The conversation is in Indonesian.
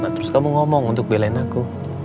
terus kamu ngomong untuk belain aku